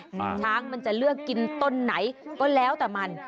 ช้างมันจะเลือกกินต้นไหนก็แล้วแต่มัน